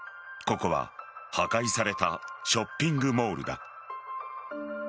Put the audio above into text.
ここは破壊されたショッピングモールだ。